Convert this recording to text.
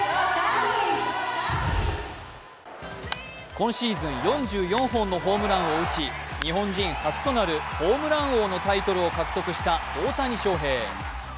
今シーズン４４本のホームランを打ち、日本人初となるホームラン王のタイトルを獲得した大谷翔平。